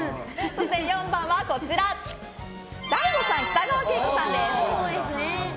４番は、ＤＡＩＧＯさん北川景子さんです。